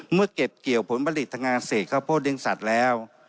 เมื่อเก็บเกี่ยวผลผลิตของภาคเกษตรข้าวโพธิเรียงสัตว์แล้ว